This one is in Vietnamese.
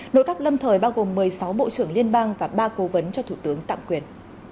nội các lâm thời bao gồm một mươi sáu bộ trưởng liên bang và ba cố vấn cho thủ tướng tạm quyền